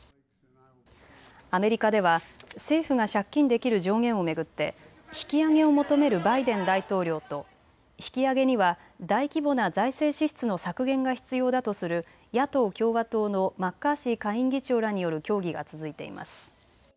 アメリカでは政府が借金できる上限を巡って引き上げを求めるバイデン大統領と引き上げには大規模な財政支出の削減が必要だとする野党・共和党のマッカーシー下院議長らによる協議が続いています。